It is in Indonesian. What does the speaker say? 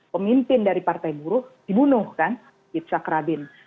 pemimpin dari partai buruh dibunuh kan yitzhak rabin